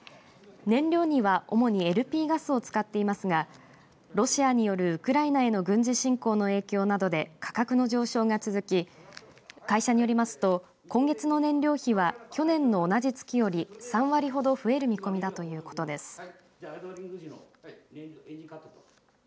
燃料には主にＬＰガスを使っていますがロシアによるウクライナへの軍事侵攻の影響などで価格の上昇が続き会社によりますと今月の燃料費は去年の同じ月より３割ほど増える見込みだということです。